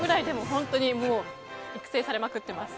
本当に育成されまくってます。